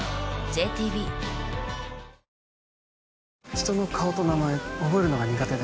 人の顔と名前、覚えるのが苦手で。